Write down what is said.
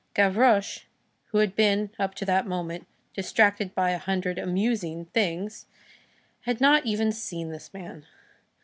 Gavroche, who had been, up to that moment, distracted by a hundred "amusing" things, had not even seen this man.